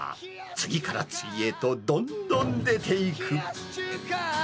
次から次へとどんどん出ていく。